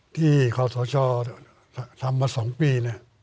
ที่ความสะชอบทำมา๒ปี